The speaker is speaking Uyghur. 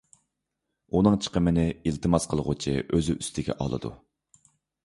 ئۇنىڭ چىقىمىنى ئىلتىماس قىلغۇچى ئۆزى ئۈستىگە ئالىدۇ.